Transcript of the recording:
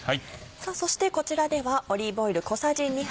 そしてこちらではオリーブオイル小さじ２杯。